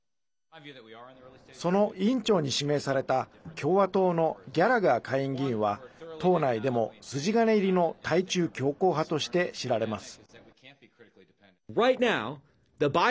その委員長に指名された共和党のギャラガー下院議員は党内でも筋金入りの対中強硬派として知られます。